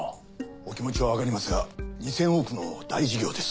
お気持ちはわかりますが２，０００億の大事業です。